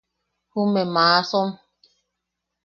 Jumeʼe maasom.